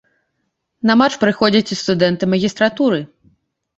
На марш прыходзяць і студэнты магістратуры.